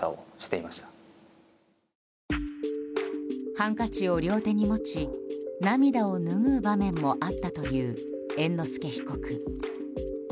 ハンカチを両手に持ち涙をぬぐう場面もあったという猿之助被告。